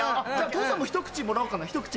父さんもひと口もらおうかなひと口。